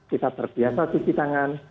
kita terbiasa cuci tangan